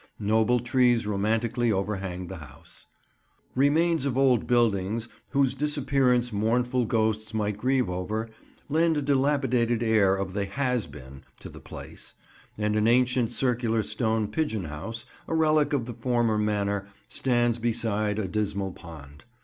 Noble trees romantically overhang the house; remains of old buildings whose disappearance mournful ghosts might grieve over, lend a dilapidated air of the Has Been to the place; and an ancient circular stone pigeon house, a relic of the former manor, stands beside a dismal pond.